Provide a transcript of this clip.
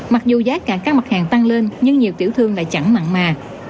mặc dù giá cả các mặt hàng tăng lên nhưng nhiều tiểu thương lại chẳng mặn mà